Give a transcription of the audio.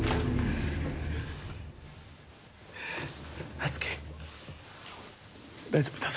夏希大丈夫だぞ。